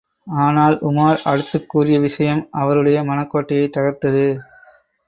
ஆனால், உமார் அடுத்துக் கூறிய விஷயம் அவருடைய மனக்கோட்டையைத் தகர்த்தது.